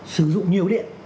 sử dụng nhiều điện